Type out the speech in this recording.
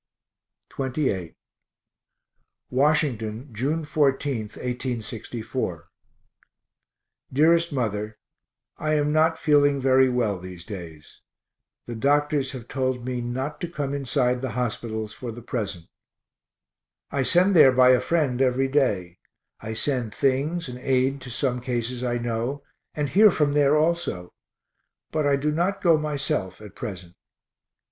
XXVIII Washington, June 14, 1864. DEAREST MOTHER. I am not feeling very well these days the doctors have told me not to come inside the hospitals for the present. I send there by a friend every day; I send things and aid to some cases I know, and hear from there also, but I do not go myself at present.